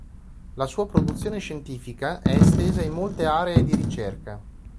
La sua produzione scientifica è estesa in molte aree di ricerca.